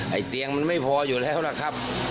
ไอเตียงมันไม่พออยู่แล้วนะครับ